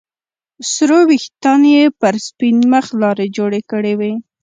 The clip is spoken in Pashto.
سرو ويښتانو يې پر سپين مخ لارې جوړې کړې وې.